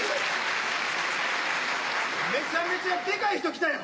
めちゃめちゃでかい人来たやん。